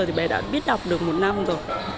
thì bé đã biết đọc được một năm rồi